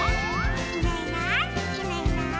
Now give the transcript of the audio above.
「いないいないいないいない」